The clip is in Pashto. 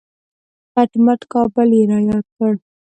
کټ مټ کابل یې را یاد کړ.